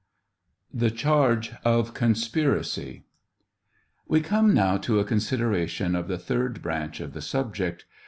THE CHARGE OK COXSPIRACV. We come now to a consideration of the third branch of the subject.